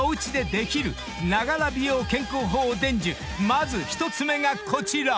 ［まず１つ目がこちら］